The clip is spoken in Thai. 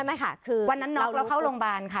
ไม่ค่ะคือวันนั้นน็อกแล้วเข้าโรงพยาบาลค่ะ